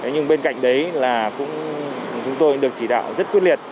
nhưng bên cạnh đấy là chúng tôi được chỉ đạo rất quyết liệt